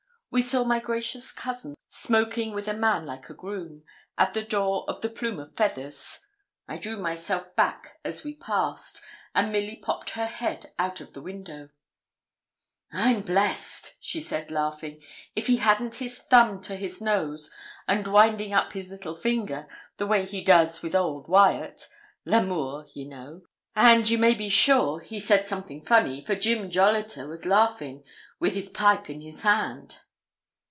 We saw my gracious cousin smoking with a man like a groom, at the door of the 'Plume of Feathers.' I drew myself back as we passed, and Milly popped her head out of the window. 'I'm blessed,' said she, laughing, 'if he hadn't his thumb to his nose, and winding up his little finger, the way he does with old Wyat L'Amour, ye know; and you may be sure he said something funny, for Jim Jolliter was laughin', with his pipe in his hand.'